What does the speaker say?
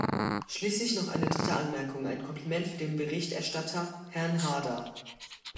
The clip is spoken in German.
Schließlich noch eine dritte Anmerkung, ein Kompliment für den Berichterstatter, Herrn Haarder.